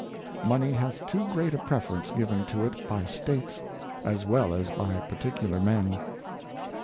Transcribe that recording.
Money hath too great a Preference given to it by States, as well as by particular Men.